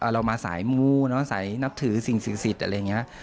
เรามาสายมูสายนับถือสิ่งศักดิ์สิทธิ์อะไรอย่างนี้